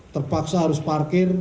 terpaksa harus parkir